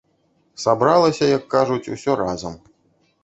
Сабралася, як кажуць, усё разам.